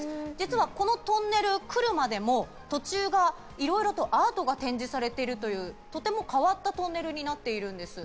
実はこのトンネル、来るまでも途中にいろいろとアートが展示されているという、とても変わったトンネルになっているんです。